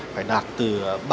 phải đạt từ ba trăm linh